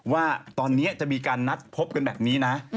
ว่าตอนนี้จะมีการนัดพบกันแบบนี้นะ